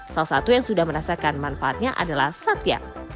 salah satu yang sudah merasakan manfaatnya adalah satya